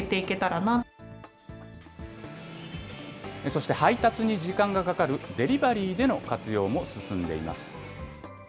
そして配達に時間がかかるデリバリーでの活用も進んでいます。